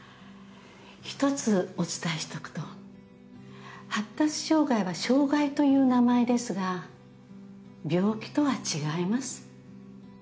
一つお伝えしとくと発達障害は障害という名前ですが病気とは違います。